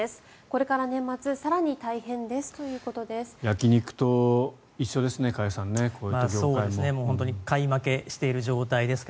これから年末、更に大変ですということです。